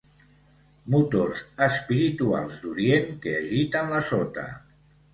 Motors espirituals d'Orient que agiten la sota.